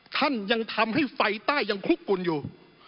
ท่านยังทำให้ไฟใต้ยังคลุกกุลอยู่